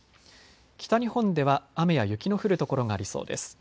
北日本では雨や雪の降る所がありそうです。